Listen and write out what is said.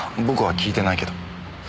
僕は聞いてないけど。